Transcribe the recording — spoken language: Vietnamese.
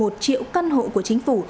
một triệu căn hộ của chính phủ